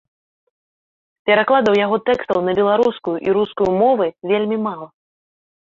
Перакладаў яго тэкстаў на беларускую і рускую мовы вельмі мала.